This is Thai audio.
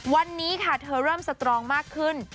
วันนี้ค่ะเธอเริ่มสตรองมากขึ้น